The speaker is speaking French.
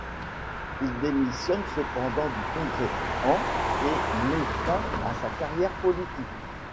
Il démissionne cependant du Congrès en et met fin à sa carrière politique.